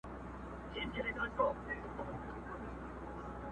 د څپو غېږته قسمت وو غورځولی!